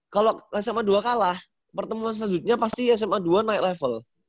kalau sma dua kalah pertemuan selanjutnya pasti sma dua naik level